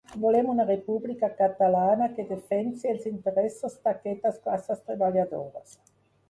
Volem una república catalana que defensi els interessos d’aquestes classes treballadores.